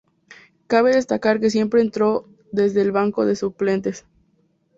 Cabe destacar que siempre entró desde el banco de suplentes.